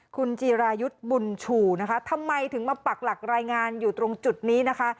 คุณจีรายุทธ์บุญชูนะคะทำไมถึงมาปักหลักรายงานอยู่ตรงจุดนี้นะคะ